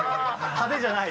派手じゃない。